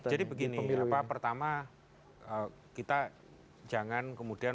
jadi begini pertama kita jangan kemudian